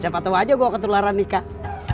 siapa tau aja gue ketularan nikah